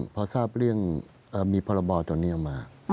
พอทราบเรื่องมีพรบตัวนี้ออกมา